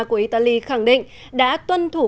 của italy khẳng định đã tuân thủ